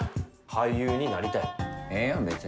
俳優になりたいねん。